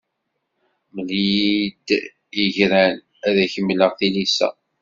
Mmel-iyi-d igran, ad ak-mmleɣ tilisa.